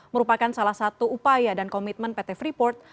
merupakan salah satu upaya dan komitmen pt freeport